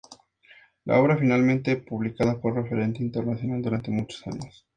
La obra finalmente publicada fue referente internacional durante muchos años.